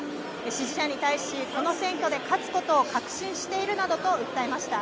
支持者に対しこの選挙で勝つことを確信しているなどと訴えました。